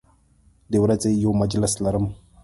د ورځې یو مجلس لرم